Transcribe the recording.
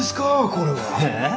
これは！え？